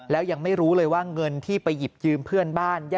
แล้วยังไม่รู้เลยว่าเงินที่ไปหยิบยืมเพื่อนบ้าน